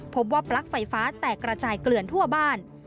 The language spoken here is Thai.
พบว่าปลั๊กไฟฟ้าแตกระจายเกลื่อนทั่วบ้าน